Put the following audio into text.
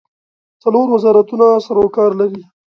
څلور وزارتونه سروکار لري.